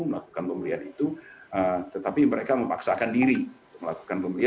melakukan pembelian itu tetapi mereka memaksakan diri